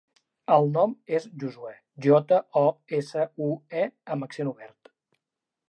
El nom és Josuè: jota, o, essa, u, e amb accent obert.